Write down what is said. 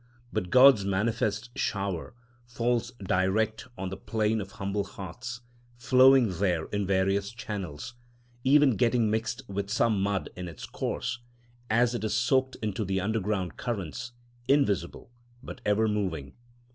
But God's manifest shower falls direct on the plain of humble hearts, flowing there in various channels, even getting mixed with some mud in its course, as it is soaked into the underground currents, invisible, but ever moving.